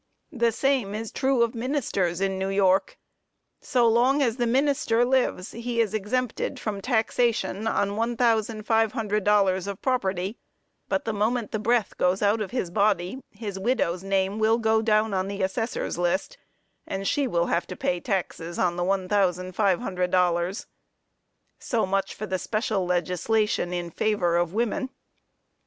The same is true of ministers in New York. So long as the minister lives, he is exempted from taxation on $1,500 of property, but the moment the breath goes out of his body, his widow's name will go down on the assessor's list, and she will have to pay taxes on the $1,500. So much for the special legislation in favor of women.